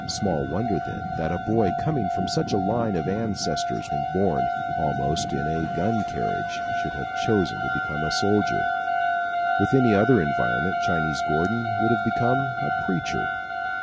Small wonder, then, that a boy coming from such a line of ancestors and born, almost, in a gun carriage should have chosen to become a soldier. With any other environment Chinese Gordon would have become a preacher.